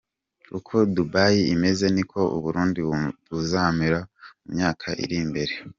Uko Dubai imeze niko u Burundi buzamera mu myaka iri imbere.